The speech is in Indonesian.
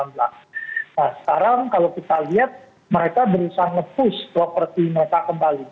nah sekarang kalau kita lihat mereka berusaha nge push properti mereka kembali